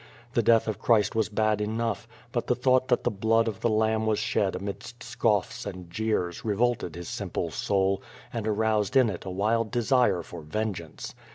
The death of Christ was bad enough, but the thought that the blood of the Lamb was shed amidst scoffs and jeers re volted his simple soul, and aroused in it a wild desire for vengeance.